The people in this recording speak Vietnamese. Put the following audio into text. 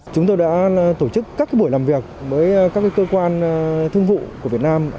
chúng tôi đã tổ chức các buổi làm việc với các cơ quan thương vụ của việt nam